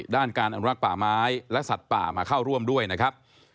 ด้านการอนุรักษ์ป่าไม้และสัตว์ป่ามาเข้าร่วมด้วยนะครับ